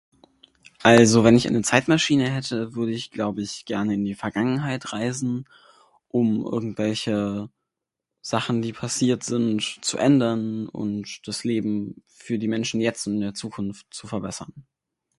Also wenn ich eine Zeit Maschine hätte würde ich glaub ich gerne in die Vergangenheit reisen um irgendwelche Sachen die passiert sind zu ändern und das Leben für die Menschen jetzt und in der Zukunft zu verbessern.